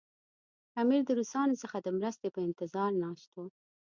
امیر د روسانو څخه د مرستې په انتظار ناست وو.